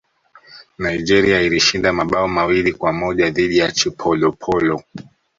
nigeria ilishinda mabao mawili kwa moja dhidi ya chipolopolo